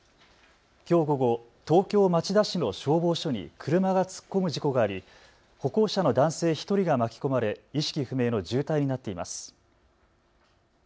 きょう午後、東京町田市の消防署に車が突っ込む事故があり歩行者の男性１人が巻き込まれ意識不明の重体になっています。